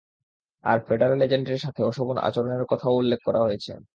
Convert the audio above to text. আর federal এজেন্টের সাথে অশোভন আচরণের কথাও উল্লেখ করা হয়েছে।